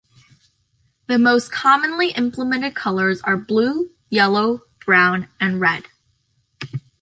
The most commonly implemented colours are blue, yellow, brown, and red.